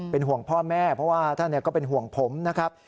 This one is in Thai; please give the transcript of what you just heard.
เป็นห่วงพ่อแม่เพราะว่าท่านก็เป็นห่วงผมนะครับ